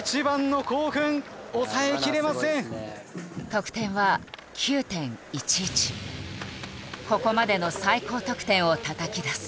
得点はここまでの最高得点をたたき出す。